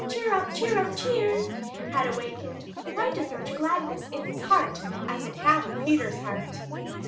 Cheer up! Cheer up! Cheer!" had awakened quite as much gladness in his heart as it had in Peter's heart.